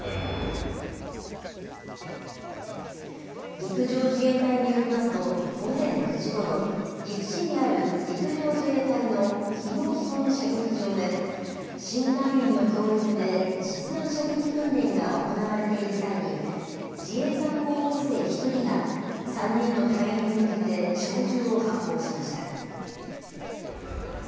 陸上自衛隊によりますと、午前９時ごろ、岐阜市にある陸上自衛隊の日野基本射撃場で、新隊員の教育で実弾射撃訓練が行われている際に、自衛官候補生１人が３人の隊員に向けて小銃を発砲しました。